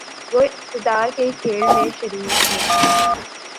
وہ اقتدار کے کھیل میں شریک ہیں۔